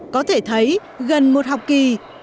có thể thấy gần một học kỳ